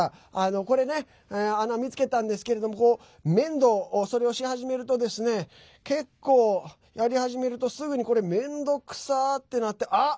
これね、穴見つけたんですけれどメンドをし始めると結構、やり始めるとすぐにこれ、めんどくさってなってあっ！